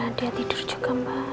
akhirnya dia tidur juga mbak